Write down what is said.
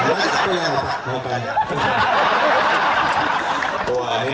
wah ini mantan